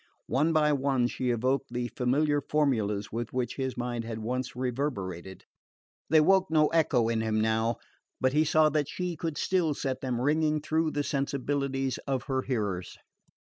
One by one she evoked the familiar formulas with which his mind had once reverberated. They woke no echo in him now; but he saw that she could still set them ringing through the sensibilities of her hearers.